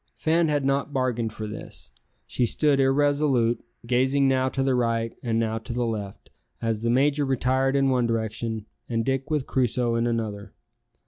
Fan had not bargained for this. She stood irresolute, gazing now to the right and now to the left, as the major retired in one direction and Dick with Crusoe in another.